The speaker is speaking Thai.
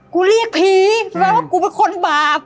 กูเรียกผีรู้ไหมว่ากูเป็นคนบาป